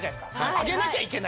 揚げなきゃいけないって。